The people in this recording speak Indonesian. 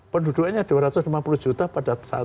penduduknya dua ratus lima puluh juta pada saat